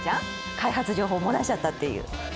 開発情報漏らしちゃったっていう。